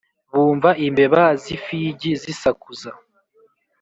Bumva imbeba z'ifigi zisakuza